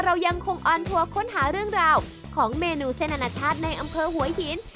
เรายังคงออนทัวร์ค้นหาเรื่องราวของเมนูเส้นอนาชาติในอำเภอหัวหิน